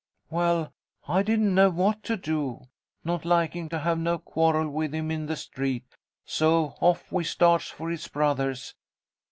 "Well, I didn't know what to do, not liking to have no quarrel with him in the street, so off we starts for his brother's.